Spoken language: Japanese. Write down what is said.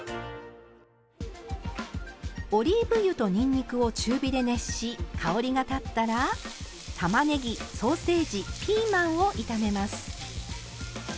オリーブ油とにんにくを中火で熱し香りが立ったらたまねぎソーセージピーマンを炒めます。